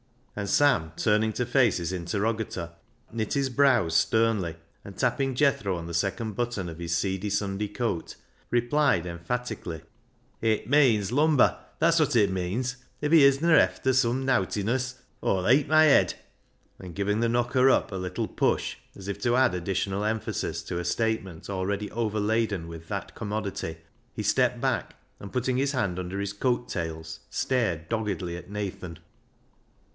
And Sam, turning to face his interrogator, knit his brows sternly, and, tapping Jethro on the second button of his seedy Sunday coat, replied emphatically — "It meeans lumber; that wot it meeans. If he isna efther some nowtiness, Aw'll — Aw'll eit my yed," and, giving the knocker up a little 376 BECKSIDE LIGHTS push as if to add additional emphasis to a statement already overladen with that com modity, he stepped back, and, putting his hand under his coat tails, stared doggedly at Nathan.